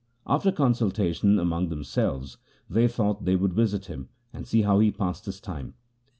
After consultation among themselves they thought they would visit him, and see how he passed his time.